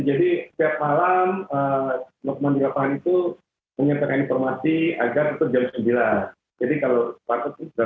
jadi setiap malam lokman di lapangan itu menyertakan informasi agar tetap jam sembilan